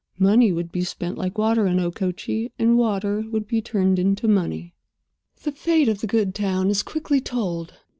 Money would be spent like water in Okochee, and water would be turned into money. The fate of the good town is quickly told.